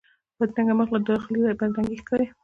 بدرنګه مخ له داخلي بدرنګي ښيي